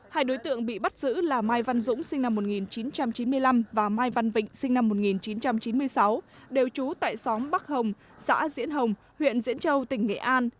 hai đối tượng bị bắt giữ là mai văn dũng sinh năm một nghìn chín trăm chín mươi năm và mai văn vịnh sinh năm một nghìn chín trăm chín mươi sáu đều trú tại xóm bắc hồng xã diễn hồng huyện diễn châu tỉnh nghệ an